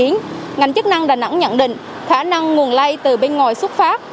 ngành chức năng đà nẵng nhận định khả năng nguồn lây từ bên ngoài xuất phát